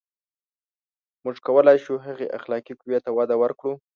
• موږ کولای شو، هغې اخلاقي قوې ته وده ورکړو.